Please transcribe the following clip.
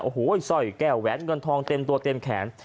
โอ้โหสร้อยแก้วแหวนเงินทองเต็มตัวเต็มแขน